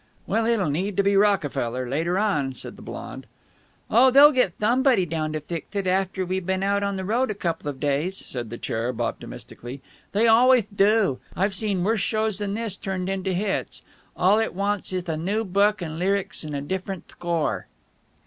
"Well, it'll need to be Rockefeller later on," said the blonde. "Oh, they'll get thomebody down to fixth it after we've been out on the road a couple of days," said the cherub, optimistically. "They alwayth do. I've seen worse shows than this turned into hits. All it wants ith a new book and lyrics and a different thcore."